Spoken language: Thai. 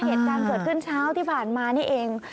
เหตุการณ์เกิดขึ้นเช้าที่ผ่านมานี่เอง